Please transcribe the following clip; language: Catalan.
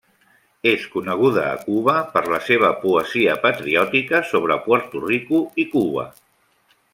És coneguda a Cuba per la seva poesia patriòtica sobre Puerto Rico i Cuba.